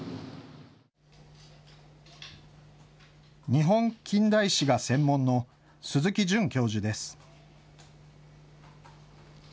日本近代史が専門の鈴木淳教授です。